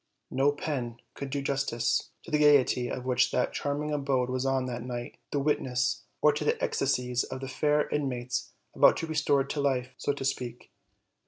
No pen could do justice to the gayety of which that charming abode was oa that night the witness, or to the ecstasies of the fair inmates about to be restored to life, so to speak.